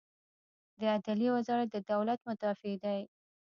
د عدلیې وزارت د دولت مدافع دی